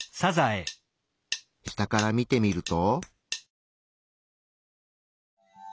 下から見てみると。